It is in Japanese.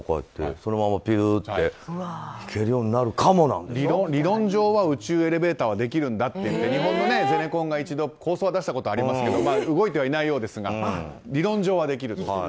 そのままぴゅーって理論上は宇宙エレベーターはできるんだと日本のゼネコンが一度、構想は出したことはありますが動いてはいないようですが理論上はできると。